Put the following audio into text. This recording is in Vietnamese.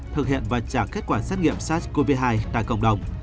thực hiện và trả kết quả xét nghiệm sars cov hai tại cộng đồng